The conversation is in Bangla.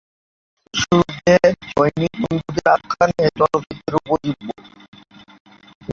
প্রথম বিশ্বযুদ্ধে সৈনিক বন্ধুদের আখ্যান এ চলচ্চিত্রের উপজীব্য।